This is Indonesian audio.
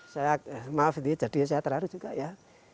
saya maaf ini jadinya saya terlalu juga ya